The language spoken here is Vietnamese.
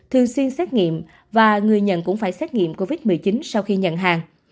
thường xuyên xét nghiệm và người nhận cũng phải xét nghiệm covid một mươi chín sau khi nhận hàng